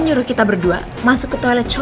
lo nyuruh kita berdua masuk ke toilet cowok